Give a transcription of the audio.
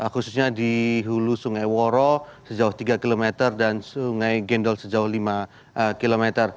khususnya di hulu sungai woro sejauh tiga km dan sungai gendol sejauh lima km